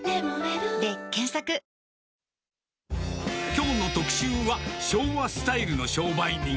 きょうの特集は、昭和スタイルの商売人。